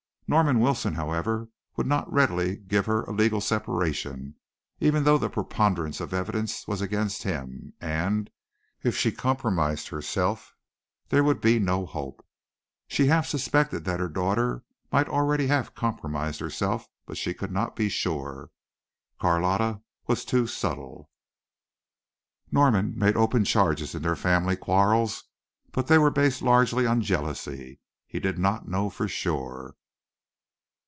Norman Wilson, however, would not readily give her a legal separation even though the preponderance of evidence was against him and, if she compromised herself, there would be no hope. She half suspected that her daughter might already have compromised herself, but she could not be sure. Carlotta was too subtle. Norman made open charges in their family quarrels, but they were based largely on jealousy. He did not know for sure.